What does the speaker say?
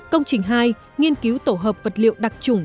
công trình hai nghiên cứu tổ hợp vật liệu đặc trùng